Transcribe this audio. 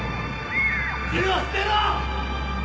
銃を捨てろ！